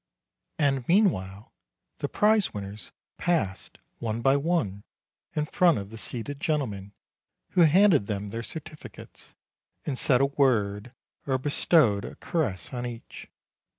And meanwhile, the prize winners passed one by one in front of the seated gentlemen, who handed them their certificates, and said a word or bestowed a caress on each.